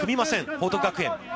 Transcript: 報徳学園。